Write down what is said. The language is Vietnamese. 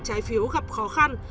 trái phiếu gặp khó khăn